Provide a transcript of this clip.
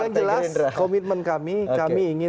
yang jelas komitmen kami kami ingin